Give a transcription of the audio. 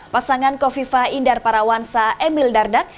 pasangan kofifah indar parawansa emil dardak